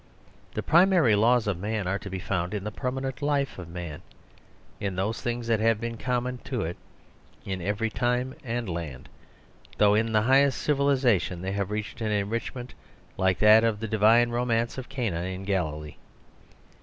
The primary laws of man are to be found in the permanent life of man ; in those things that have been common to it in every time and land, though in the highest civilisation they have reached an en richment like that of the divine romance of Cana in Galilee.